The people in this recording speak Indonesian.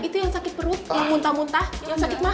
itu yang sakit perut yang muntah muntah yang sakit mah